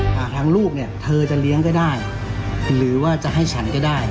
หากทางลูกเนี่ยเธอจะเลี้ยงก็ได้หรือว่าจะให้ฉันก็ได้